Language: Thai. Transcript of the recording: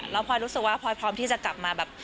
แล้วพลอยรู้สึกว่าพลอยพร้อมที่จะกลับมาแบบ